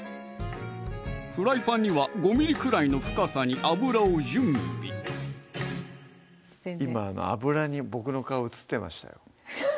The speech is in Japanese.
フライパンには５ｍｍくらいの深さに油を準備今油にボクの顔映ってましたよ